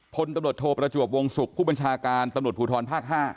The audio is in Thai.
พลตำรวจโทประจวบวงศุกร์ผู้บัญชาการตำรวจภูทรภาค๕